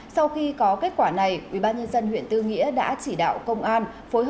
sau khi có kết quả này ubnd huyện tư nghĩa đã chỉ đạo công an